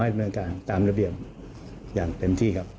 ดำเนินการตามระเบียบอย่างเต็มที่ครับ